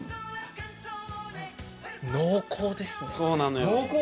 濃厚ですねそうなのよ